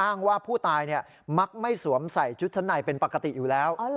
อ้างว่าผู้ตายมักไม่สวมใส่ชุดชั้นในเป็นปกติอยู่แล้ว